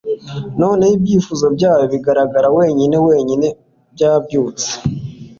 noneho ibyifuzo byayo bigaragara wenyine wenyine byabyutse